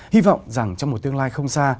hy vọng rằng trong một tương lai không xa